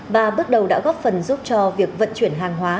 và bước đầu đã góp phần giúp cho việc vận chuyển hàng hóa